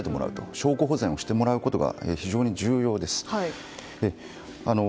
証拠保全をしてもらうことが非常に重要です。